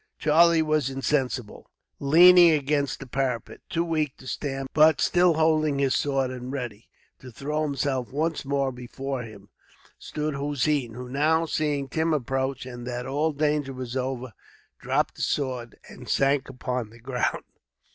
Charlie was insensible. Leaning against the parapet, too weak to stand, but still holding his sword, and ready to throw himself once more before him, stood Hossein; who now, seeing Tim approach, and that all danger was over, dropped his sword and sank upon the ground.